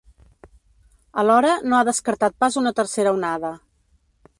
Alhora, no ha descartat pas una tercera onada.